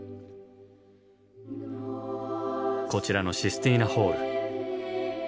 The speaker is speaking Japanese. こちらのシスティーナ・ホール。